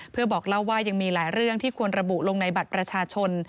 เพื่อบอกเล่าว่ายังมีหลายเรื่องที่ควรระบุลงในบัตรประชาชน